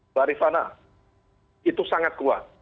mbak rifana itu sangat kuat